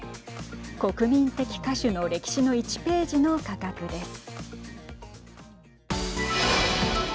国民的歌手の歴史の１ページの価格です。